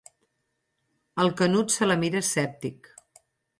El Canut se la mira escèptic.